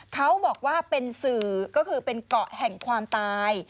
เขาบอกว่าเป็นสื่อก็คือเป็นเกาะแห่งความตาย